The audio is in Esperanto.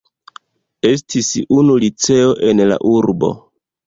Estis unu liceo en la urbo.